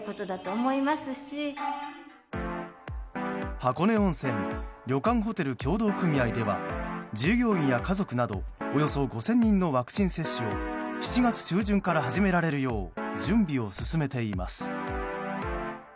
箱根温泉旅館ホテル協同組合では従業員や家族などおよそ５０００人のワクチン接種を７月中旬から始められるよう準備を進めています。